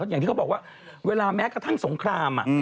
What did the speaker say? อย่างที่เขาบอกว่าเวลาแม้กระทั่งสงคราม